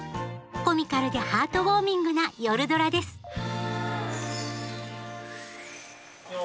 コミカルでハートウォーミングな「夜ドラ」ですよ